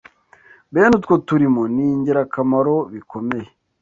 bene utwo turimo ni ingirakamaro bikomeye